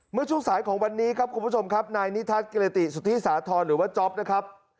เมื่อช่วงสายของวันนี้ครับคุณผู้ชมครับนายนิทัศน์กิรติสุธิสาธรณ์หรือว่าจ๊อปนะครับ